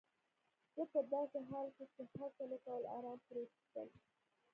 زه په داسې حال کې چي هڅه مې کول آرام پروت اوسم.